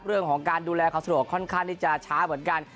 เรื่องของการดูแลความสะดวกค่อนข้างที่จะช้าเหมือนกัน